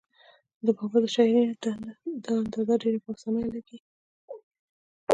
د بابا د شاعرۍ نه دا اندازه ډېره پۀ اسانه لګي